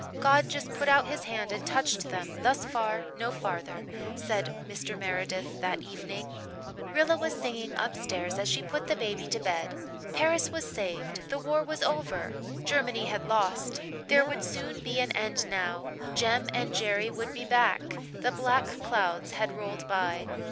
"God just put out His hand and touched them 'thus far no farther'," said Mr. Meredith that evening. Rilla was singing upstairs as she put the baby to bed. Paris was saved the war was over Germany had lost there would soon be an end now Jem and Jerry would be back. The black clouds had rolled by.